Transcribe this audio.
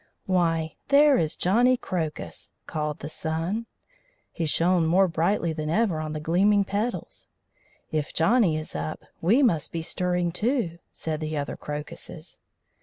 "Why, there is Johnny Crocus!" called the sun. He shone more brightly than ever on the gleaming petals. "If Johnny is up we must be stirring too," said the other crocuses.